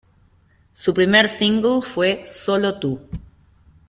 Su primer single fue "Sólo tú".